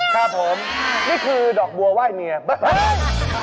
ครับผมนี่คือดอกบัวไหว้เมีย